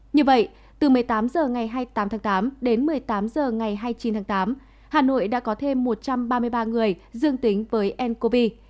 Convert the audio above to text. như vậy từ một mươi tám h ngày hai mươi tám tháng tám đến một mươi tám h ngày hai mươi chín tháng tám hà nội đã có thêm một trăm ba mươi ba người dương tính với ncov